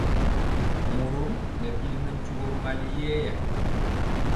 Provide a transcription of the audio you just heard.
Morɔm nɛ bili mɛ njugɔ mali yɛɛya.